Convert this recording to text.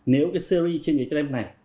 nếu cái series trên cái tem này